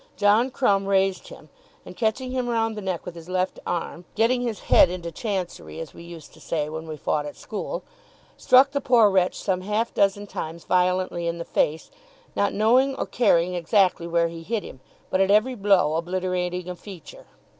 John Crumb raised him, and catching him round the neck with his left arm, getting his head into chancery as we used to say when we fought at school, struck the poor wretch some half dozen times violently in the face, not knowing or caring exactly where he hit him, but at every blow obliterating a feature.